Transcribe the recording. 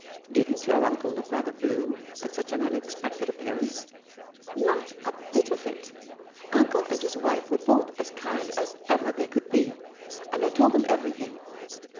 Didn't your uncle look rather blue at such an unexpected appearance ?"" Not a bit of it ! Uncle and his wife were both as kind as ever they could be ; and I told them everything.